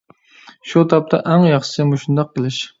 شۇ تاپتا ئەڭ ياخشىسى مۇشۇنداق قىلىش.